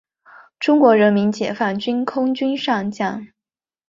中国人民解放军空军上将。